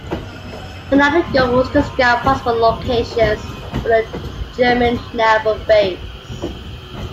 Another goal was to scout possible locations for a German naval base.